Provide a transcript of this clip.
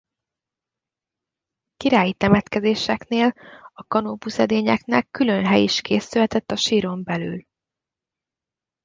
Királyi temetkezéseknél a kanópuszedényeknek külön hely is készülhetett a síron belül.